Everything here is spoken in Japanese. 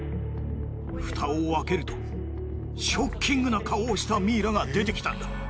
ふたを開けるとショッキングな顔をしたミイラが出てきたんだ。